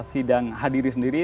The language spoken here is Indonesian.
sidang hadiri sendiri